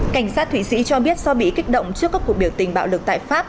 cảnh sát thụy sĩ cho biết do bị kích động trước các cuộc biểu tình bạo lực tại pháp